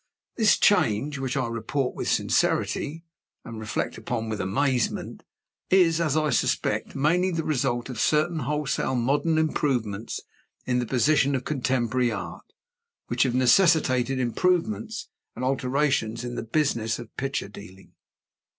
This change, which I report with sincerity and reflect on with amazement, is, as I suspect, mainly the result of certain wholesale modern improvements in the position of contemporary Art, which have necessitated improvements and alterations in the business of picture dealing.